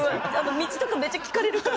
道とかめっちゃ聞かれるから。